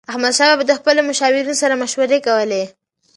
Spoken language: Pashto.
احمدشاه بابا به د خپلو مشاورینو سره مشورې کولي.